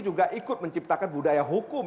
juga ikut menciptakan budaya hukum